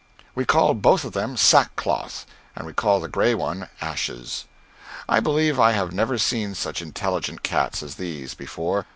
We call both of them Sackcloth, and we call the gray one Ashes. I believe I have never seen such intelligent cats as these before.